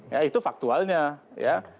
ya itu faktualnya ya